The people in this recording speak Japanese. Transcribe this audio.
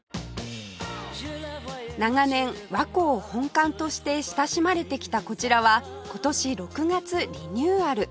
長年和光本館として親しまれてきたこちらは今年６月リニューアル